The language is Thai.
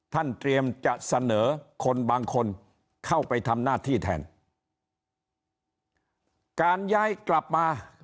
เตรียมจะเสนอคนบางคนเข้าไปทำหน้าที่แทนการย้ายกลับมา